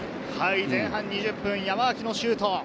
前半２０分、山脇のシュート。